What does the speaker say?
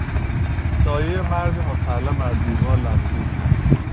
سایهی مردی مسلح بر دیوار لغزید.